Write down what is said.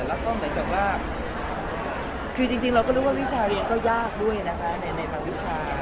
แล้วก็เหมือนกับว่าคือจริงเราก็รู้ว่าวิชาเรียนก็ยากด้วยนะคะในบางวิชา